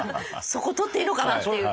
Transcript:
そこ取っていいのかな？っていう。